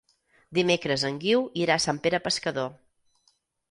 Dimecres en Guiu irà a Sant Pere Pescador.